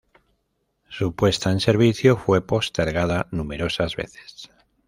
Su puesta en servicio fue postergada numerosas veces.